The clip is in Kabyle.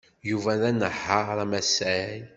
Yuba d anehhaṛ amasay.